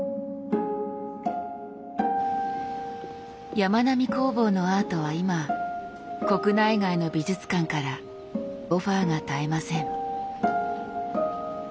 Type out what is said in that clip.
やまなみ工房のアートは今国内外の美術館からオファーが絶えません。